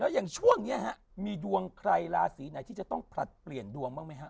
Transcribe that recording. อย่างช่วงนี้ฮะมีดวงใครราศีไหนที่จะต้องผลัดเปลี่ยนดวงบ้างไหมฮะ